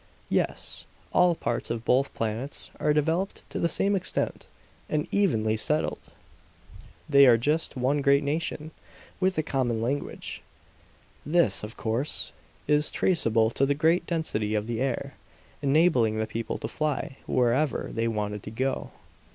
"Yes. All parts of both planets are developed to the same extent, and evenly settled. They are just one great nation, with a common language. This, of course, is traceable to the great density of the air, enabling the people to fly wherever they wanted to go.